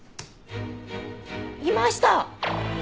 いました！